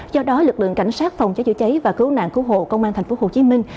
do đó lực lượng cảnh sát phòng cháy chữa cháy và cứu nạn cứu hộ công an thành phố hồ chí minh